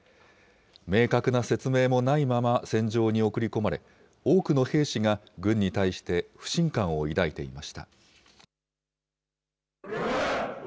明確な説明もないまま戦場に送り込まれ、多くの兵士が軍に対して不信感を抱いていました。